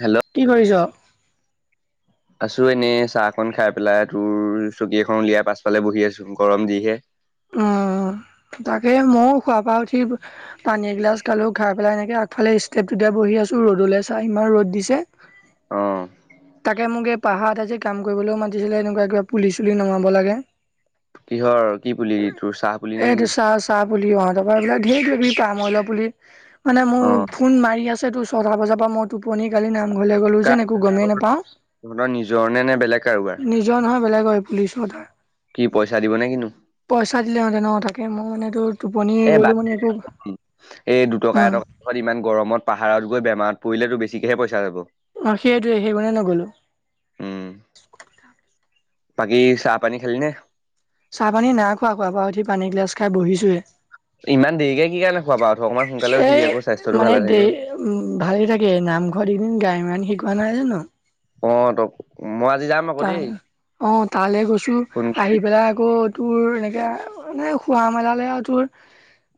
Hello কি কৰিছোঁ? আছোঁ এনেই চাহকন খাই পেলাই, তোৰ চকী এখন উলিয়াই পাঁচ ফালে বহি আছোঁ, গৰম যিহে। উম, তাকে মইয়ো শুৱা পাৰ উঠি পানী এগিলাচ খালোঁ। খাই পেলাই এনেকে আগফালে ষ্টেপটোতে বহি আছোঁ। ৰ'দলৈ চাই, ইমান ৰ'দ দিছে। অ তাকে, মোকে পাহাৰত আজি কাম কৰিবলৈও মাতিছিলে, এনেকুৱা কিবা পুলি চুলি নমাব লাগে। কিহৰ? কি পুলি? তোৰ চাহ পুলি নে এইটো কি চাহ চাহ পুলি সিহঁতৰ পৰা এইবিলাক ঢেৰ কিবা কিবি তামোল পুলি মানে অ মোৰ ফোন মাৰি আছে, তোৰ ছটা বজাৰ পৰা মোৰ টোপনি কালি নামঘৰলে গলোঁ কাৰ যেন একো গমেই তহঁতৰ নেপাওঁ। নিজৰ নে নে বেলেগ কাৰোবাৰ নিজ নিজৰ নহয়, বেলেগই পুলিচ মটাৰ। কি পইচা দিবনে কিনো? পইচা দিলেহঁতেন অ' তাকে, মই মানে তোৰ এ টোপনিয়েই বাদ গলোঁ মানে দে একো উম। এইফালে ইমান গৰমত, পাহাৰত গৈ বেমাৰত পৰিলে তোৰ বেছিকেহে পইচা যাব। অ' সেইটোৱেই সেইকাৰণে ন'গলো। উম বাকী চাহ পানী খালি নে? চাহ পানী নাইখোৱা, শুৱাৰ পৰা উঠি পানী এগিলাচ খাই বহিছোঁ হে। ইমান দেৰিকে কি কাৰণে শুৱা পাৰ উঠ। অকমান সোনকালে এই উঠিবি আকৌ, স্বাস্থ্যতো মানে ভালে দে থাকে। উম, ভালেই থাকে, নামঘৰত এইকেইদিন গায়ন-বায়ন শিকোৱা নাই জানোঁ। অ' তক মই আজি যাম আকৌ তাৰ, দেই অ' তালে গৈছোঁ। ফোন কৰিবি আহি পেলাই আকৌ তোৰ এনেকে আহ, এই শুৱা মেলালে আৰু তোৰ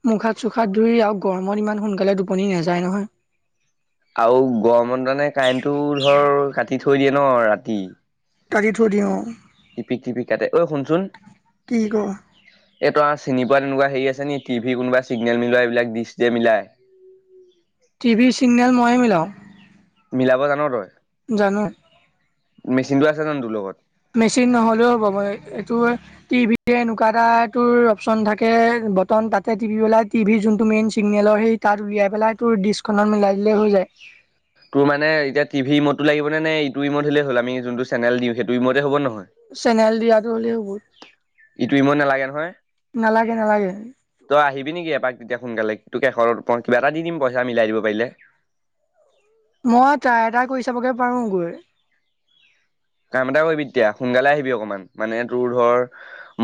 মুখহাত চুখহাত ধুই, আও গৰমত ইমান সোনকালে টোপনি নাযায় নহয়। আৰু গৰমত মানে কাৰেণ্টটোও ধৰ কাটি থৈ দিয়ে ন ৰাতি? কাটি থৈ দিয়ে, অহ'। টিপিক টিপিক কাটে, ঐ শুনচোন? কি ক এই তই আ, চিনি পোৱা তেনেকুৱা হেৰি আছে নেকি? টিভি কোনোবা চিগনেল মিলোৱা, এইবিলাক ডিছ যে মিলাই? টি ভিৰ চিগনেল ময়ে মিলাও। মিলাব জান তই? জানো মেচিনটো আছে জানো তোৰ লগত? মেচিন নহ'লেও হ'ব, মই এ এটোৱে টি ভিটে এনুকা এটা তোৰ অপচন থাকে, বটন তাতে টিপি পেলাই টি ভিৰ যোনটো মেইন চিগনেলৰ সেই তাত উলিয়াই পেলাই, তোৰ ডিছখনত মিলাই দিলেই হৈ যায়। তোৰ মানে এতিয়া টিভি ৰিম'তটো লাগিবনে? নে ইটো ৰিম'ট হ'লেই হ'ল? আমি যোনটো চেনেল দিওঁ, সেইটো ৰিম'টে হ'বনে নহয়? চেনেল দিয়াটো হ'লেই হ'ব, ইটো ৰিমট নালাগে নহয়? নালাগে, নালাগে। তই আহিবি নেকি এপাক তেতিয়া সোনকালে? তোক এশ, দুশ কিবা এটা দিম পইচা মিলাই দিব পাৰিলে। মই ট্ৰাই এটা কৰি চাবগে পাৰোঁ, গৈ কাম এটা কৰিবি তেতিয়া, সোনকালে আহিবি অকমান। মানে তোৰ ধৰ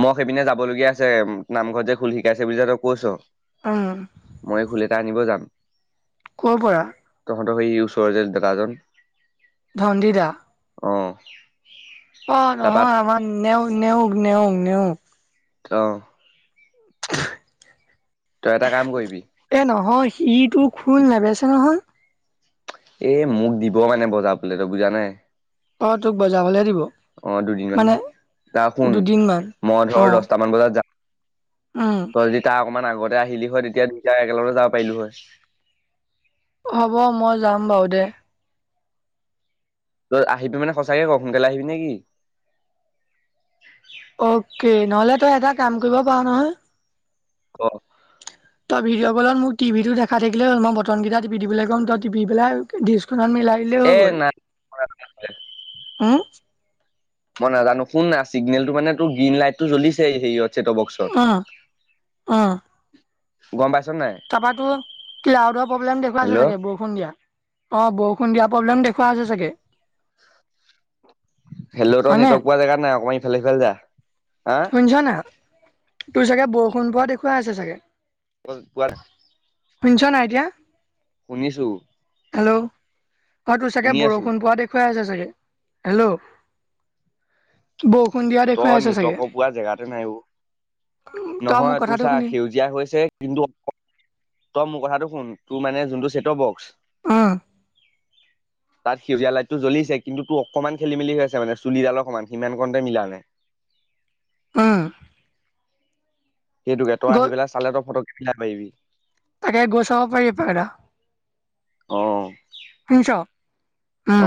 মই সেইপিনে যাব লগীয়া আছে, নামঘৰত যে খোল শিকাইছে বুলি যে তই কৈছ উম। মই খোল এটা আনিব যাম। ক'ৰ পৰা? তহঁতৰ সেই ওচৰৰ যে দাদাজন। ধন্দিৰ দা। অ। অ তাৰপা নহয় আমাৰ নেও নেওক নেওগ নেও। অ। [unintelligible] তই এটা কাম কৰিবি। এই নহয় সিটো টোৰ খোল নেবেছে নহয়। এ মোক দিব মানে বজাবলে তই বুজা নাই। অ তোক বজাবলে দিব। অ দুদিনমান মানে তা শুন দুদিনমান মই ধৰ অ' দশটামান বজাত যাম। উম তই যদি তাৰ অকনমান আগতে আহিলি হয় তেতিয়া দুইটা একেলগে যাব পাৰিলো হয়। হ'ব মই যাম বাউ দে তই আহিবি মানে সঁচাকে ক সোনকালে আহিবি নে কি? অকে নহলে তই এটা কাম কৰিব পাৱ নহয় ক তই ভিডঅ কলত মোক টিভিটো দেখাই থাকিলে মই বটন কেটা টিপি দিবলে কম তই টিপি পেলাই দিছখনত মিলাই দিলেই হৈ এ গ'ল নাই উম মই নাজানো শু না চিগনেলটো মানে গ্ৰীণ লাইটটো জ্বলিছেই সেৰিয়ত ছেট বক্স অ' অ'। গম পাইছ নাই? তাৰপাতো ক্লাউডৰ প্ৰব্লেম দেখওুৱাইছে হেল্ল' চাগে বু ষুন দিয়া অ বউষুণ দিয়া প্ৰব্লেম দেখোৱা আছে চাগে হেল্ল তই হয়নে নেটৱৰ্ক পোৱা জেগাত নাই অকমান ইফালে সিফালে যা হা শুনিছ না তোৰ চাগে বউষুণ পৱা দেখুৱাই আছে চাগে? [unintelligible] শুনিছ নাই এতিয়া শুনিছোঁ। হেল্ল' অ তোৰ চাগে আছো বৰষুণ পোৱা দেখুৱাই আছে চাগে। হেল্ল' বৰষুণ দিয়াত তই নেটৱৰ্কৰ পোৱা জেগাতে নাই অ, তই মোৰ নহয় তোৰ কথাটো চা, শুনি সেউজীয়াই হৈছে তই মোৰ কথাটো শুন, তোৰ মানে চছেটৰ বক্স। উম, তাত সেউীয়া লাইটটো জ্বলিছে, কিন্তু ত, অকমান খেলি- মেলি হৈ আছে, মান চুলিডালৰ অকণমান সিমানকনতে মিলা নাই। উম, সেইটোকে তই গৈ আহি পালে চালে, তই [inaudible] পাৰিবি। তাকে গৈ চাব পাৰি, উপায় এটা অ শুনিছ?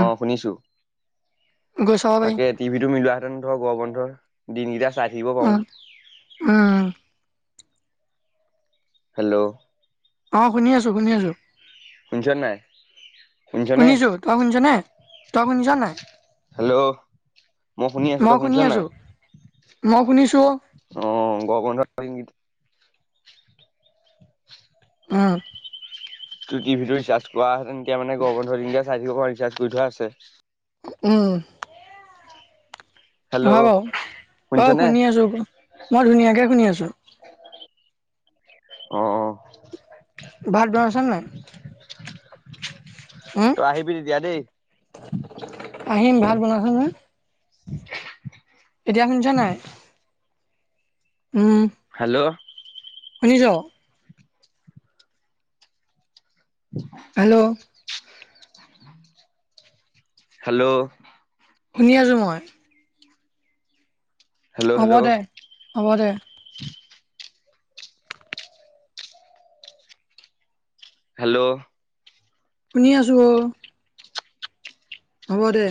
অ, শুনিছো। গৈ চাব পাৰি তাকে টিভিটো মিলোৱা হেঁতেন ধৰক গৰ বন্ধৰ দিনকেইটা চাই থাকিব পাৰো। উম উম হেল্ল, অ, শুনি আছো, শুনি আছো। শুনিছ নে নাই? শুনিছনে, শুনিছো তই শুনিছ নে তই শুনিছ নাই হেল্ল, মই শুনি আছো। তই শুনিছ শুনি নে নাই? আছো মই শুনিছো। অ, গৰম বন্ধ [unintelligible] অ, টিভি ৰিচাৰ্জ কৰা তেতিয়া মানে গৰ বন্ধ তেতিয়া চাই থাকিব পাৰো, ৰিচাৰ্জ কৰি থোৱা আছে। উম, হয় হেল্ল' বাৰু, বাৰু শুনিছনে? শুনি আছোঁ মই ধুনীয়াকৈ শুনি আছোঁ। অ, অ, ভাত বনাইছা নে, নাই? উম তই আহিবি তেতিয়া, দেই। আহিম, ভাত বনাইছেনে? এতিয়া শুনিছ নে নাই? উম, হেল্ল, শুনিছ? [inaudible] হেল্ল, হেল্ল, শুনি আছো মই। হেল্ল', হ'ব হেল্ল', দে, হ'ব দে। হেল্ল, শুনি আছো অ, হ'ব দে।